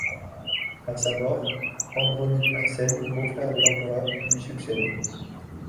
À sa mort Andronic Asen, beau-frère de l'empereur, lui succède.